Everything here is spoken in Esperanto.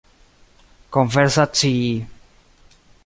konversacii